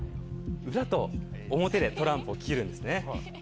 裏と表でトランプを切るんですね。